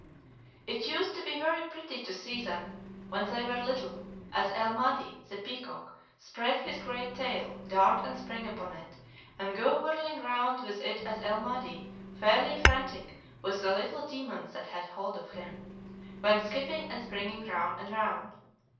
"It used to be very pretty to see them, when they were little, as El Mahdi, the peacock, spread his great tail, dart and spring upon it, and go whirling round with it as El Mahdi, fairly frantic with the little demons that had hold of him, went skipping and springing round and round.